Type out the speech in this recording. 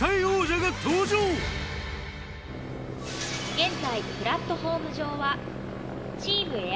現在プラットホーム上は。